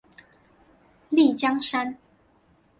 丽江杉